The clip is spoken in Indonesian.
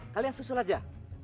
kalian susul aja